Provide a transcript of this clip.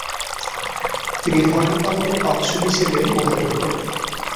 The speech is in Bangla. তিনি ধর্ম পালনের অংশ হিসেবে মনে করতেন।